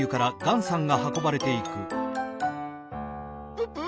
ププ？